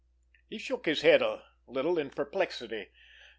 He shook his head a little in perplexity.